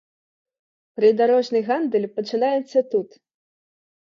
Прыдарожны гандаль пачынаецца тут.